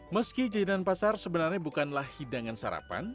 meski jajanan pasar sebenarnya bukanlah hidangan sarapan